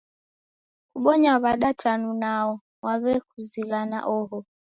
Kubonya w'ada tanu nao waw'ekuzinghana oho?